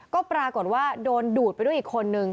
ก็ปรากฏว่าโดนดูดไปด้วยอีกคนนึง